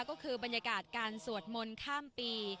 ก็คือบรรยากาศการสวดมนต์ข้ามปี